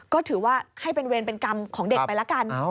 ก็ถือว่าให้เป็นเวรเป็นกรรมของเด็กไปละกัน